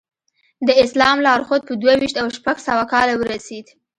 د اسلام لارښود په دوه ویشت او شپږ سوه کال ورسېد.